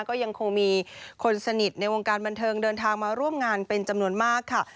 ก็ยังคงมีคนสนิทในวงการบันเทิงเดินทางมาร่วมงานเป็นจำนวนมากค่ะ